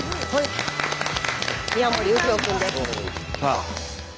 さあ。